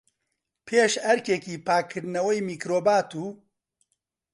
پێش ئەرکێکی پاکردنەوەی میکرۆبات، و